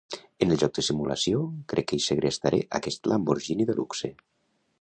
En el joc de simulació, crec que segrestaré aquest Lamborghini de luxe.